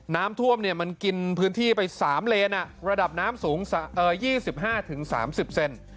น้ำท่วมมันกินพื้นที่ไป๓เลนระดับน้ำสูง๒๕๓๐เซน